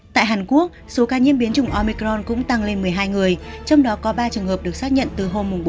tại hàn quốc số ca nhiễm biến chủng omicron cũng tăng lên một mươi hai người trong đó có ba trường hợp được xác nhận từ hôm bốn tháng một mươi hai